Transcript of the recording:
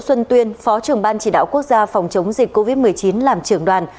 xuân tuyên phó trưởng ban chỉ đạo quốc gia phòng chống dịch covid một mươi chín làm trưởng đoàn